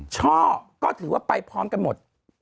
ช่อก็ถือว่าไปพร้อมกันหมด